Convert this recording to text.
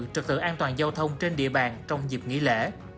trực tự an toàn giao thông trên địa bàn trong dịp nghỉ lễ